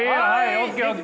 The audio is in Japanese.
ＯＫＯＫ。